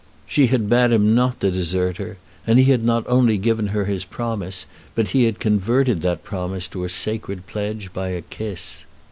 She had bade him not to desert her; and he had not only given her his promise, but he had converted that promise to a sacred pledge by a kiss.